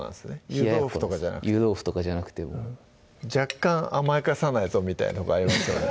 湯豆腐とかじゃなくて湯豆腐とかじゃなくて若干「甘やかさないぞ」みたいなとこありますよね